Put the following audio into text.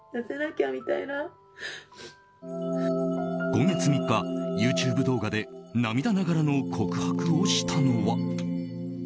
今月３日ＹｏｕＴｕｂｅ動画で涙ながらの告白をしたのは。